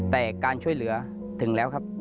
แต่การช่วยเหลือถึงแล้วครับ